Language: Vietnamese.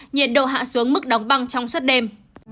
nhiệt độ hạ xuống mức đóng băng trong suốt đêm